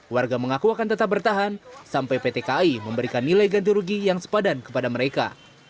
warga mengaku akan tetap bertahan sampai pt kai memberikan nilai ganti rugi yang sepadan kepada mereka